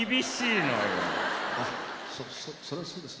あそそりゃそうですね。